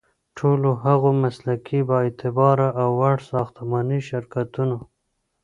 ټولو هغو مسلکي، بااعتباره او وړ ساختماني شرکتونو